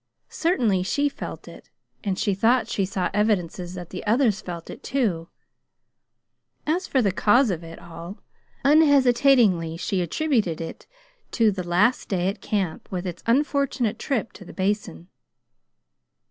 Certainly she felt it, and she thought she saw evidences that the others felt it, too. As for the cause of it all unhesitatingly she attributed it to that last day at camp with its unfortunate trip to the Basin.